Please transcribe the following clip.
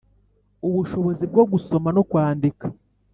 ubushobozi bwo gusoma no kwandika